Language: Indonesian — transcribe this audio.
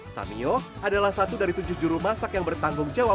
samio adalah satu dari tujuh juru masak yang bertanggung jawab